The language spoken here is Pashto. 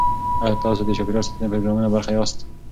ایا تاسو د چاپیریال ساتنې پروګرامونو برخه یاست؟